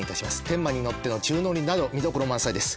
天馬に乗っての宙乗りなど見どころ満載です。